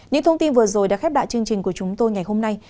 những thông tin vừa rồi đã khép lại chương trình của chúng tôi ngày hôm nay